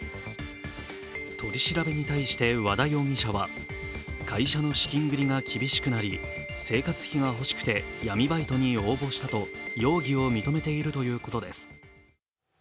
取り調べに対して和田容疑者は会社の資金繰りが厳しくなり生活費が欲しくて闇バイトに応募したと容疑を認めているということです。